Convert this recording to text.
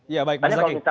ya baik mas